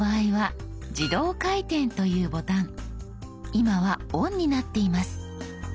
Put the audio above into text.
今は「ＯＮ」になっています。